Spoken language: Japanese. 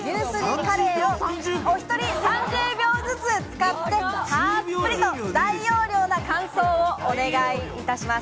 カレーをお１人、３０秒ずつ使って、たっぷりと大容量の感想をお願いします。